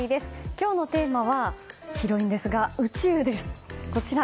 今日のテーマは広いんですが宇宙です。